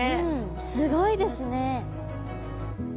すごいですね。